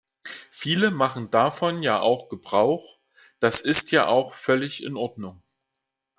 Viele machen davon ja auch Gebrauch, das ist ja auch völlig in Ordnung.